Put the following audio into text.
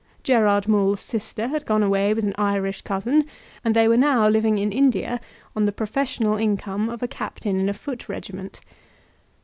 Gerard Maule's sister had gone away with an Irish cousin, and they were now living in India on the professional income of a captain in a foot regiment.